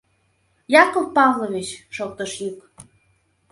— Яков Павлович, — шоктыш йӱк.